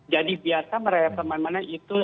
jadi biarkan merayap kemana mana itu